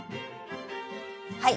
はい。